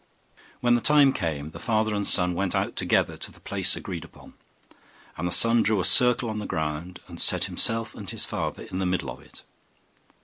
When the time came, the father and son went out together to the place agreed upon: and the son drew a circle on the ground, and set himself and his father in the middle of it.